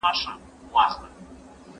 زه له سهاره کتابونه ليکم!؟!؟